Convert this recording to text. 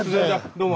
どうも。